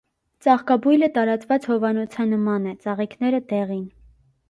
Ծաղկաբույլը տարածված հովանոցանման է, ծաղիկները՝ դեղին։